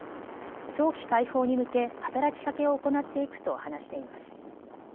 早期解放に向け働きかけを行っていくと話しています。